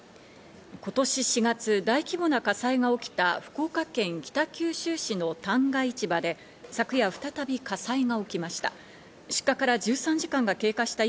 今年４月、大規模な火災が起きた福岡県北九州市の旦過市場で昨夜、再び火災が起きました。